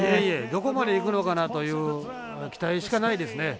どこまでいくのかなという期待しかないですね。